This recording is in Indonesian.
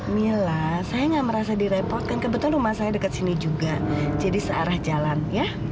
mila saya nggak merasa direpotkan kebetulan rumah saya dekat sini juga jadi searah jalan ya